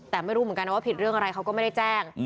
แต่ไม่รู้เหมือนกันนะว่าผิดเรื่องอะไรเขาก็ไม่ได้แจ้ง